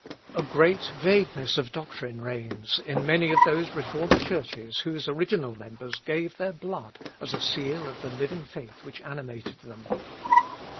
A great vagueness of doctrine reigns in many of those Reformed Churches whose original members gave their blood as a seal of the living faith which animated them.